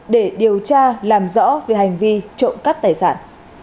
để điều tra làm rõ về hành vi trộm cắp tài sản